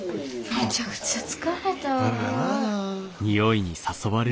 めちゃくちゃ疲れたわ。